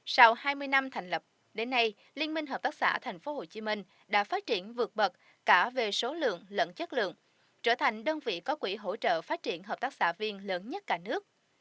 sau hai mươi năm thành lập đến nay liên minh hợp tác xã tp hcm đã phát triển vượt bậc cả về số lượng lẫn chất lượng trở thành đơn vị có quỹ hỗ trợ phát triển hợp tác xã viên lớn nhất cả nước